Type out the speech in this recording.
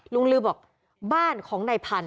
ลุงลือบอกบ้านของนายพันธ